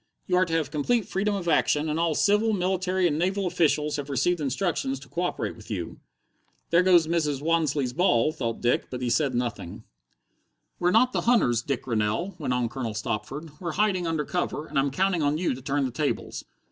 You are to have complete freedom of action, and all civil, military, and naval officials have received instructions to co operate with you." "There goes Mrs. Wansleigh's ball," thought Dick, but he said nothing. "We're not the hunters, Dick Rennell," went on Colonel Stopford. "We're hiding under cover, and I'm counting on you to turn the tables.